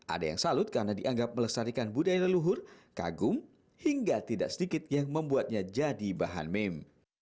ada yang salut karena dianggap melestarikan budaya leluhur kagum hingga tidak sedikit yang membuatnya jadi bahan meme